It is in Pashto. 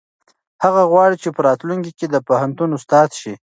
هغه غواړي چې په راتلونکي کې د پوهنتون استاد شي.